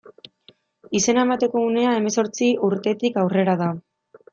Izena emateko unea hemezortzi urtetik aurrera da.